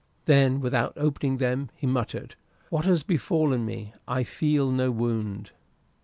Then, without opening them, he muttered, "What has befallen me? I feel no wound."